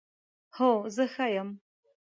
هو، زه ښه یم